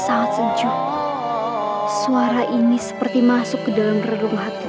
saya berkekuatan untuk untuk menyerang kejahatan